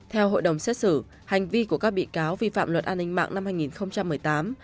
theo hội đồng xét xử hành vi của các bị cáo vi phạm luật an ninh mạng năm hai nghìn một mươi tám